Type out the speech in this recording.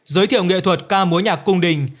giới thiệu nghệ thuật ca múa nhạc cung đình